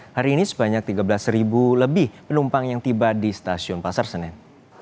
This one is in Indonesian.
hari ini sebanyak tiga belas lebih penumpang yang tiba di stasiun pasar senen